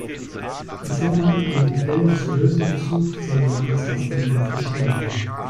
Bevor man ein Problem zu lösen versucht, sollte man es erst einmal verstehen.